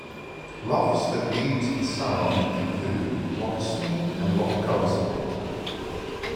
Lochs that lead to the sound include Loch Sween, and Loch Caolisport.